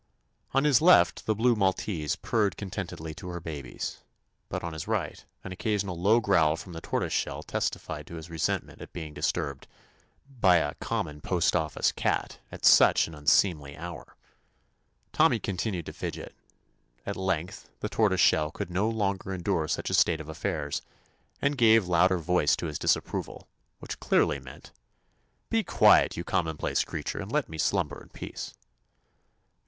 On his left the blue Maltese purred contentedly to her babies, but on his right an occasional low growl from the Tortoise shell testified to his re sentment at being disturbed by "a common postoffice cat" at such an un seemly hour. Tommy continued to fidget. At length the Tortoise shell could no longer endure such a state of affairs, and gave louder voice to his disapproval, which clearly meant: 138 TOMMY POSTOFFICE "Be quiet, you commonplace crea ture, and let me slumber in peace I" The watchman found Tortoise shell in a stat* of collapse.